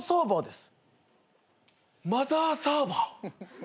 マザーサーバーです。